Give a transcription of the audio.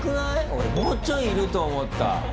俺もうちょいいると思った。